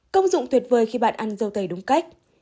công dụng tuyệt vời khi bạn ăn dâu tây đúng cách